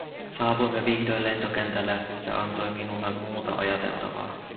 Saavuimme vihdoin lentokentälle, mikä antoi minulle muuta ajateltavaa.